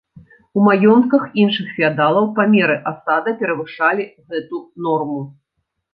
У маёнтках іншых феадалаў памеры асада перавышалі гэту норму.